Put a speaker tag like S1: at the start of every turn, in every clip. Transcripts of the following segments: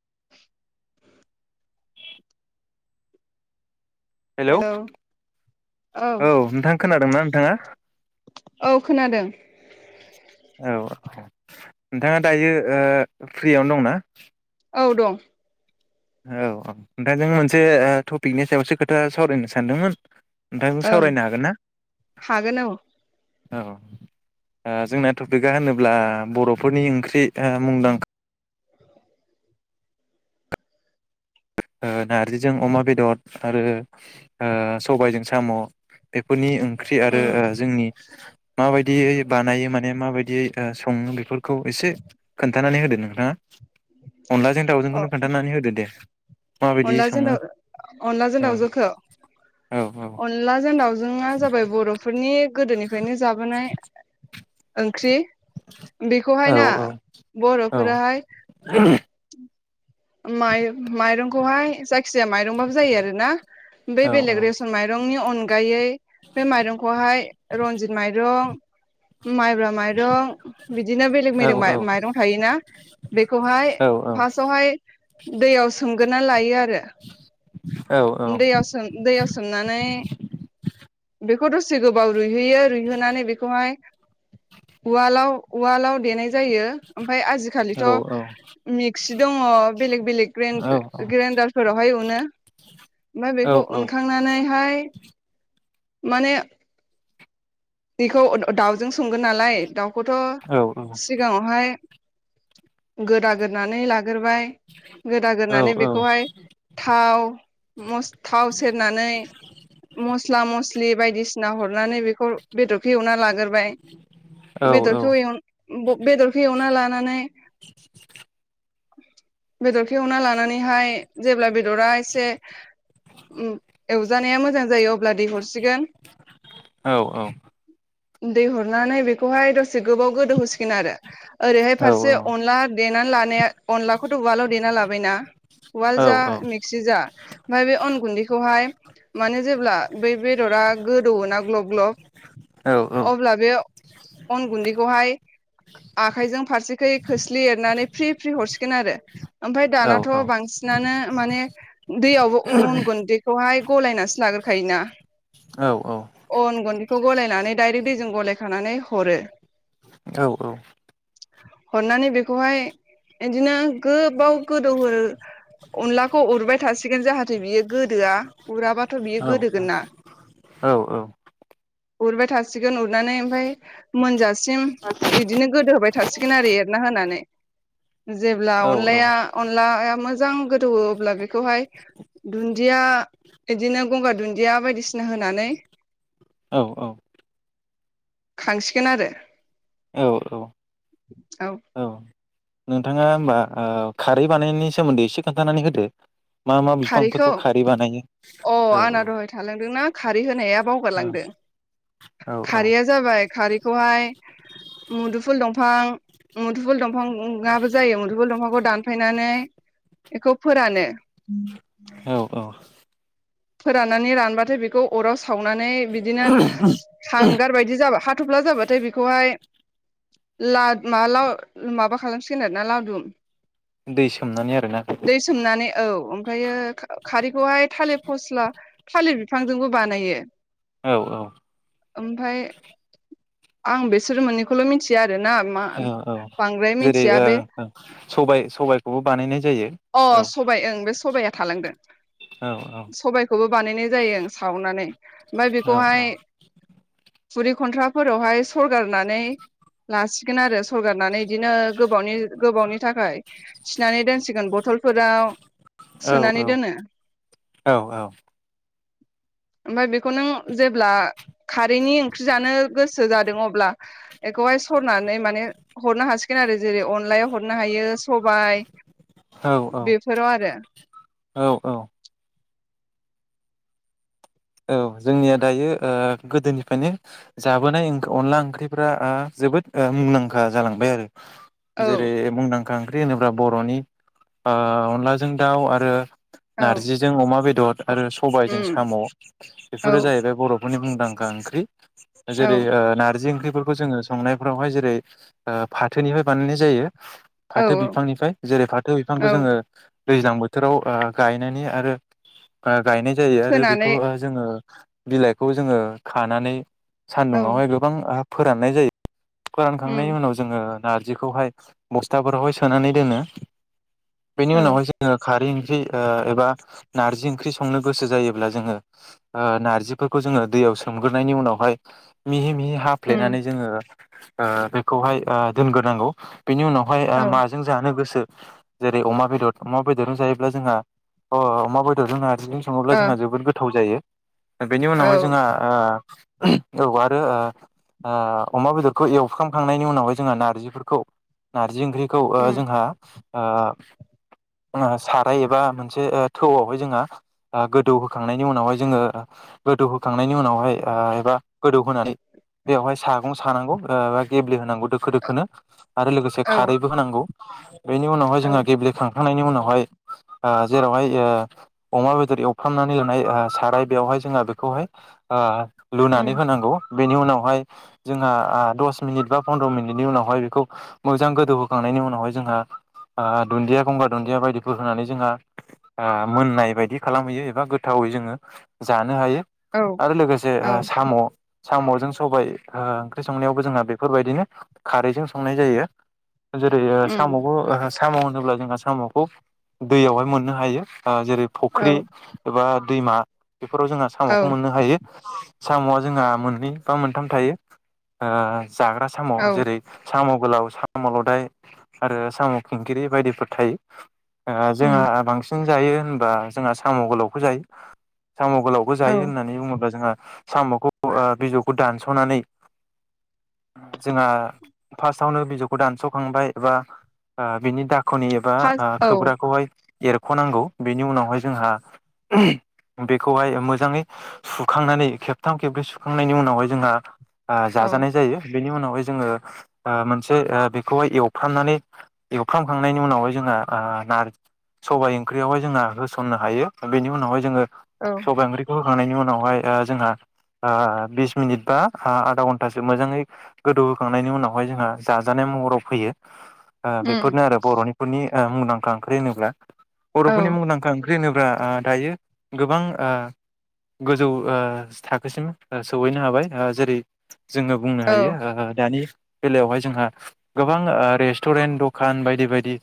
S1: [inaudible]
S2: Hello औ नोंथां खोनादों नं ओ
S1: औ खोनादों
S2: औ नोंथाङा दायो फ्रियावनो दंनाा
S1: औ दं
S2: औ औ ओमफ्राय जोंङो मोनसे टपिकनि सायावसो खोथा सावरायनो सानदोंमोन नोंथांजों
S1: ओं
S2: सावरायनो हागोन ना
S1: हागोन औ
S2: औ जोंना टपिकआ होनोब्ला बर'फोरनि ओंख्रि मुंदांखा नार्जिजों अमा बेदर आरो सबायजों साम' बेफोरनि ओंख्रि आरो
S1: उम
S2: जोंनि माबायदियै बानायो माने माबायदियै सङो बेफोरखौ एसे खोन्थानानै होदो नोंथाङा अनलाजों दाउजोंखौनो खोनन्थानानै होदो दे माबायदि सङो
S1: अनलाजोंदाव अनलाजों
S2: औ
S1: दावजोंखौ
S2: औ औ
S1: अनलाजों दावजोंआ जाबाय बर'फोरनि गोदोनिफ्रायनो जाबोनाय ओंख्रि
S2: औ
S1: बेखौहाय ना बर'फोराहाय माइ माइरंखौहाय जाय जायखिजाया माइरंबाबो जायो आरोना ओमफाय बेलेग रेसन माइरंनि अनगायै बे माइरंखौहाय रनजित माइरं माइब्रा माइरं बिदिनो बेलेग बेलेग
S2: औ औ
S1: माइरं थायोना बेखौहाय
S2: औ
S1: फार्स्टआवहाय दैयाव सोम ग्रोना लायो आरो। [unintelligible]
S2: औ
S1: दैयाव सोम दैयाव सोमनानै बे बेखौ दसे गोबाव रुइहोयो रुइहोनानै बेखौहाय उवालाव उवालाव देनाय जायो ओमफ्राय आजिखालिथ' मिक्सि दङ बेलेक बेलेक ग्रेन ग्रेनडारफोरावहाय अनो। ओमफ्राय बेखौ उनखांनानैहाय माने बेखौ दाउजों संगोन नालाय दाउ खौथ' सिगाङावहाय गोदा गोरनानै लाग ग्रोबाय गोदा गोरनानै बेखौहाय थाव मस थाव सेरनानै मस्ला मस्लि लि बायदिसिना हरनानै बेखौ बेदर एवना लाग्रोबाय बेदरखौ बेदरखौ एवना लानानै बेदरखो एवना लानानैहाय जेब्ला बे बेदरा इसे एवजानाया मोजां जायो अब अब्ला दै हरसिगोन दै हरनानै बेखौहाय दसे गोबाव गोदो होसिगोन आरो ओरैहाय फारसे अनला देनानै लानाया अनला खौथ' उवालाव देना लाबायना ववाल जा मेक्सि जा ओमफफ्राय बे अन गुन्दैखौहाय माने जेब्ला बै बेदरा गोदौवोना ग्लब ग्लब अब्ला बे अन गुन्दैखौहाय आखाइजों फारसेखै खोस्लि एरनानै फ्रि फ्रि हरसिगोन आरो ओमफ्राय दानाथ' बांसिनानो माने दैयावबो अन गुन्दैखौहाय गलायनासो लाग्रोखायोना
S2: औ
S1: अन गुन्दै खौखौ गलायनानै डाइरेक्टलि जों गलायखानानै हरो।
S2: औ औ।
S1: [inaudible] हरनानै बेखौहाय बिदिनो गोबाव गोदौ अनलाखौ उरबाय थासि थागोन जाहाथे बियो गोदोआ उराबाथ' बियो
S2: औ
S1: गोदोगोन ना? [unintelligible] ोन उरनानै ओमफ्राय मोनजासिम बिदिनो गोदो होबाय थासिगोन आरो [unintelligible] जेब्ला अनलाया अनलाया मोजां गोदौओ अब्ला बेखौहाय दुन्दिया बिदिनो गंगार दुन्दिया बायदिसिना होनानै
S2: औ औ।
S1: खांसिगोन आरो
S2: औ औ। औ। नोंथाङा होमबा खारै बानायनायनि सोमोन्दै एसे खोन्थानानै होदो? मा मा
S1: खारैखौ
S2: बिफांफोरखौ खारै बानायो
S1: अ आंना
S2: औ
S1: दहाय थालांदोंना खारै होनाया
S2: औ
S1: बावगारलांदों
S2: औ
S1: खारैया जाबाय खारैखौहाय मुदुफुल दंफां मुदुफुल दंफां दंफांआ बो जायो मदुफुल दंफांखौ दानफायनानै बेखौ फोरानो
S2: औ औ
S1: फोराननानै रानबाथाय बेखौ अराव सावनानै बिदिनो हांगार बायदि जाबा हाथफ्ला जाबाथाय बेखौहाय- लाद माला माबा खालामसिगोन आरोना लावदुम
S2: दै सोमनानै आरोना
S1: दै सोमनानै औ ओमफ्रायो खा खारैखौहाय थालिर फस्ला फालिर बिफांजोंबो बानायो।
S2: औ औ।
S1: ओमफ्राय आं बिसोर मोननैखौल' मिथिया आरोना मा
S2: औ औ
S1: बांद्राय
S2: जेरै
S1: मिथिया
S2: ओ
S1: बे
S2: ओ सबाय सबायखौबो बानायनाय जायो औ
S1: अ सबाय ओं बे सबाया थालांदों
S2: औ
S1: सबायखौबो बानायनाय जायो ओं सावनानै ओमफ्राय
S2: औ
S1: बेखौहाय खुरि खन्थ्राफोरावहाय सरगारनानै लासिगोन आरो सरगारनानै इदिनो गोबावनि गोबावनि थाखाय थिनानै दोनसिगोन ब फोराव
S2: औ
S1: सोनानै दोनो। ओमफ्राय बेखौ नों जेब्ला खारैनि ओंख्रि जानो गोसो जादों अब्ला बेखौहाय सरनानै माने हरनो हासिगोन आरो जेरै अनलायाव हर हरनो हायो सबाय
S2: औ औ
S1: बेफोराव आरो
S2: औ औ औ जोंनिया दायो ओ गोदोनिफ्रायनो जाबोनाय अनला ओंख्रिफ्रा आ जोबोद ओ मुंदांखा जालांबाय आरो।
S1: औ
S2: जेरै मुंदां ओंख्रि होनोब्ला बर'नि ओ अनलाजों दाउ आरो
S1: औ
S2: नारजिजों अमा बेदर। आरो सबायजों
S1: उम
S2: साम'।
S1: औ
S2: बेफोरो जाहैबाय बर' मुंदांखा ओंख्रि।
S1: औ
S2: जेरै ओ नारजि ओंख्रि बेफोरखौ जोङो संनायफ्रावहाय जेरै ओ फाथोनिफ्राय बानायनाय जायो।
S1: औ
S2: फाथो बिफांनिफ्राय जेरै फाथो बिफांखौ
S1: औ
S2: जोङो दैज्लां बोथोराव ओ गायनायनि आरो ओ गायनाय जायो आरो बेखौ
S1: फोनानै
S2: ओ ओ बिलाइखौ जोङो खानानै
S1: औ
S2: सान्दुङावहाय गोबां फोराननाय जायो। फोरानखांनायनि
S1: उम
S2: उनाव जोङो नारजिखौहाय बस्थाफोरावहाय सोनानै दोनो। बेनि
S1: औ
S2: उनावहाय जोङो खारै ओंख्रि ओ एबा नारजि ओंख्रि संनो गोसो जायोब्ला जोङो ओ नारजिफोरखौ जोङो दैयाव सोमग्रोनायनि उनावहाय मिहि मिहि
S1: उम
S2: हाफ्लेनानै जोङो ओ बेखौहाय ओ दोनग्रोनांगौ। बेनि उनावहाय ओ
S1: औ
S2: माजों जानो गोसो जेरै अमा बेदर अमा बेदरजों जायोब्ला जोंहा अ अमा बेदरजों बिजों सङोब्ला
S1: ओ
S2: जोंहा जोबोर गोथ जायो बेनि
S1: औ
S2: उनावहाय जोंहा आ उम औ आरो ओ ओ अमा बेदरखौ एवखांखांनायनि उनावहाय जोंहा नारजिफोरखौ ना नार्जि ओंख्रिखौ ओ
S1: उम
S2: जोंहा ओ ओङ साराय एबा मोनसे ओ थौआवहाय जोंहा ओ गोदौ होखांनायनि उनावहाय जोङो गोदौ होखांनायनि उनावहाय ओ एबा गोदौ होनानै बेवहाय सागं सानांगौ ओ एबा गेब्ले होनांगौ दोखो दोखोनो आरो लोगोसे
S1: औ
S2: खारैबो होनांगौ अह बेनि उनावहाय
S1: औ
S2: जोंहा गेब्लेखांखांनायनि उनावहाय ककु कोव जेरावहाय होयो अमा बेदर एवफ्रामनानै [unintelligible] लुनाय ओ साराय बेयावहाय जोङो बेखौहाय ओ लुनानै
S1: उम
S2: होनांगौ बेनि उनाव बेवहाय जोङा आ द'स मिनितबा पन्द्र' मिनितनि उनावहाय बेखौ मोजां गोदोउ होखांनायनि उनावहाय जोंहा आहा दुनदिया दंब्ला गंगार दुन्दि बायदिखौ होनानै जोंहा आ मोननाय बायदि खालामहैयो एबा गो गोथावै जोङो जानो हायो
S1: औ
S2: आरो लोगोसे ओ
S1: औ
S2: साम' साम'जों सबायाइ ओ ओंख्रि संनायावबो जोंहा बेफोरबायदिनो खारैजों संनाय जायो जेरै ओ
S1: उम
S2: साम'बो [unintelligible] साम' होनोब्ला जोंहा साम'खौ दैयावहाय मोननो हायो ओ जेरै
S1: औ
S2: फुख्रि दैमा बेफोराव जोंहा
S1: औ
S2: साम'खौ मोननो हायो औ साम'आ जोंहा मोननै बा मोनथाम थायो ओ जाग्रा सामाव
S1: औ
S2: जेरै साम' गोलाव साम' लदाय आरो साम' खिंखिरि बायदिफोर थायो ओ जोंहा
S1: उम
S2: बांसिन जायो होनबा जोंहा साम गोलाव बोजायो साम गोलावबो जायो
S1: औ
S2: होननानै बुङोब्ला जोंहा सामखौ बो बिजौखौ दानसनानै जोंहा फार्स्ट वनो बिजौखौ दानसखांबाय एबा ओ बिनि दा खनि एबा
S1: फास
S2: ओ
S1: औ
S2: खोब्राखौहाय एरखनांगौ बेनि उनावहाय जोंहा बेखौहाय मोजाङै सुखांनानै खेबथाम खेब्रै सुखांनायनि उनावहाय जोंहा ओ
S1: औ
S2: जाजानाय जायो। बेनि उनावहाय जोङो ओ मोनसे बेखौहाय एवफ्रामनानै एवफ्रामखांनायनि उनावहाय जोंहा ऐ नारजि सबाय ओंख्रियावहाय जोंहा होसननो हायो। दा बे उनावहाय जोङो
S1: औ
S2: सबाय ओख्रिखौ होखानायनि उ उनावहाय ओ जोंहा ओ बिस मिनिट बा आ आधा घन्टासो मोजाङै गोदौहोखांनायनि उनावहाय जोंहा जाजानाय महराव फैयो। ओ
S1: उम
S2: बेफोरनो आरो बर'निफोरनि ओ मुंदांखा ओंख्रि होनोब्ला
S1: औ
S2: बरफोरनि मुंदांखा ओं ख्रि होनोब्ला ओ दायो गोबां ओ गोजौ ओ थाखोसिम सहैनो हाबाय जेरै जोङो बुंनो
S1: औ
S2: हायो दानि बेलायावहाय जोंहा गोबां ओ रेस्टुरेन्ट दखान बायदि बायदि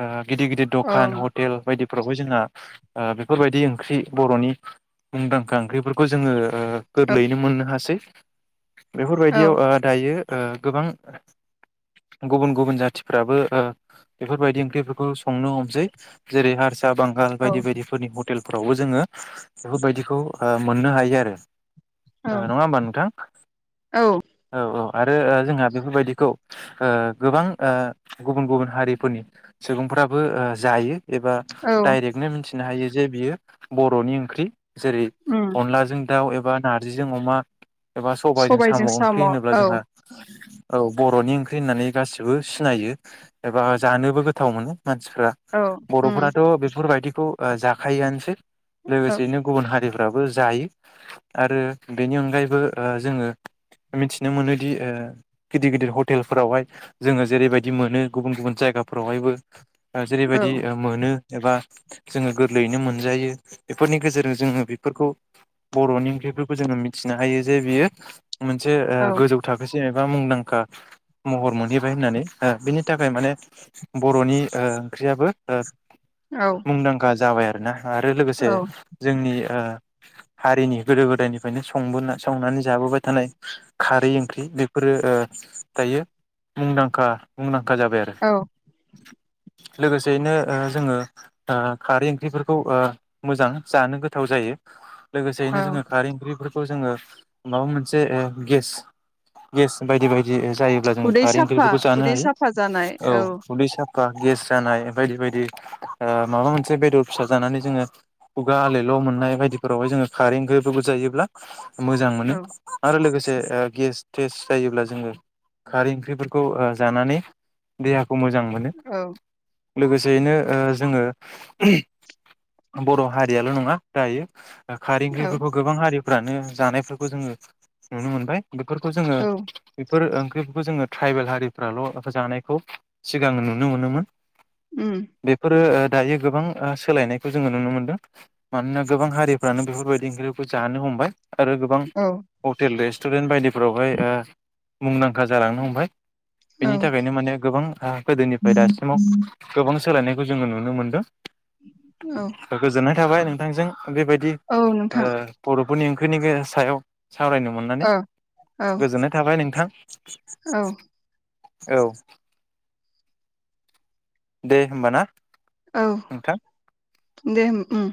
S2: ओ गिदिर गिदिर
S1: औ
S2: दखान हटेल बायदि फोरावबो जोंहा ओ बेफोरबायदि ओंख्रि बरनि मुंदांखा ओंख्रिफोरखौ जोङो ओ
S1: औ
S2: गोरलैयैनो मोननो हासै। [inaudible] बेफोरबायदियाव
S1: औ
S2: ओ दायो ओ गोबां गुबुन गुबुन जाथिफ्राबो ओ बेफोरबायदि ओंख्रिफोरखौ संनो हमसै जेरै हारसा बांगाल
S1: औ
S2: बायदि बायदि हटेलफोरावबो जोङो बेफोरबायदिखौ ओ मोननो हायो आरो।
S1: औ
S2: नङा होमबा नोंथां
S1: औ
S2: ।औ औ। आरो ओ जोंहा बेफोरबायदिखौ ओ गोबां ओ गुबुन गुबुन हारिफोरनि सुबुंफ्राबो ओ जायो। एबा
S1: औ
S2: डाइरेक्ट मिथि फिनो हायो जे बियो बरनि ओंख्रि जेरै
S1: उम
S2: अनलाजों दाउ एबा नारजिजों अमा एबा सबायाइजों साम'
S1: सबायजों
S2: ओंख्रि
S1: औ
S2: होनोब्ला
S1: औ
S2: जोंहा औ बर'नि ओंख्रि होननानै गासिबो सिनायो एबा जानोबो गोथाव मोनो। मानसिफ्रा
S1: उम
S2: बर'फोराथ' बेफोरबायदिखौ जाखायआानोसै [unintelligible]
S1: औ
S2: लोगोसेयैनो गुबुन हारिफोर [inaudible] ाबो जायो आरो बेनि अनगायैबो जोङो मिथिनो मोनोदि गिदिर गिदिर हटेलफोरावहाय जोङो जेरैबायदि मोनो गुबुन गुबुन जायगाफोरावहायबो [unintelligible]
S1: औ
S2: जेरैबायदि मोनो [unintelligible] एबा जोङो गोरलैयैनो मोनजायो बेफोरनि गेजेरजों जोङो बेफोरखौ बर'नि ओंख्रिफोरखौ जोङो मिथिनो हायो जे बियो मोनसे
S1: औ
S2: गोजौ थाखोसि जेनेबा मुंदांखा महर मोनहैबाय होननानै बिनि थाखाय माने बर'नि ओंख्रियाबो ओ
S1: औ
S2: मुंदांखा जाबाय आरो ना आरो लोगोसे
S1: औ
S2: जोंनि आ हारिनि गोदो गोदायनिफ्रायनो संबोना संनानै जाबोबाय थानाय खारै ओंख्रि बे फोरो थायो मुंदांखा मुंदांखा जाबाय आरो
S1: औ
S2: लोगोसेैनो जोङो खारै ओंख्रिफोरखौ मोजां जानो गोथाव जायो [unintelligible] लोगोसेयैनो
S1: औ
S2: जोङो खारै ओंख्रि फोर जोङो माबा मोनसे गेस गेस बायदि बायदि [unintelligible] जायोब्ला जों
S1: उदै
S2: खारै
S1: साफा
S2: ओंख्रिफोरखौ जानो
S1: उदै
S2: हायो
S1: साफा जानाय
S2: औ [unintelligible] गेस जानाय बायदि बायदि [unintelligible] ओ माबा मोनसे बेदर फिसा जानानै जोङो खुगा आलायल' मोननाय बायदिफोरावहाय जोङो खारै ओंख्रिफोरखौ जायोब्ला मोजां मोनो
S1: औ
S2: आरो लोगोसे जायो जोङो खारै ओंख्रि जानानै दे खौ मोजां मोनो
S1: औ
S2: लोगोसेयैनो ओ जोङो बर' हारियाल' नङा दायो दा खारै
S1: औ
S2: ओंख्रिफोरखौ गोबां हारि फोरानो जानायफोरखौ जोङो नुनो मोनबाय बेफोरखौ जोङो
S1: औ
S2: [inaudible] बेफोर ओंख्रिखो जोङो ट्राइबेल हारिफ्राल' जानायखौ सिगां नुनो मोनोमोन।
S1: उम
S2: ओ दायो गोबां सोलायनायखो जोङो नुनो मोनदों मानोना गोबां हारिफ्रानो बेफोरबायदि ओंख्रिखो जानो हमबाय। आरो गोबां
S1: औ
S2: हटेल रेस्टुरेन्ट बायदि फोरावहाय ओ मुं [unintelligible] खा जालांनो हमबाय
S1: औ
S2: बेनि थाखायनो माने गोबां हा गोदोनिफ्राय दासिमाव गोबां सोलायनाय खो जोङो नुनो मोन्दो।
S1: औ
S2: गोजोननाय थाबाय नोंथांजों बेबायदि
S1: औ
S2: ओ
S1: नोंथां
S2: बर'फोरनि ओंख्रि बेनि [unintelligible] सायाव सावरायनो मोननानै
S1: औ औ
S2: गोजोननाय थाबाय नोंथां। [unintelligible]
S1: औ
S2: औ दे होमबा ना
S1: औ दे होम उम